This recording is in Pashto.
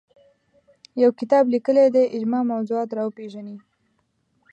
یو کتاب لیکلی دی اجماع موضوعات راوپېژني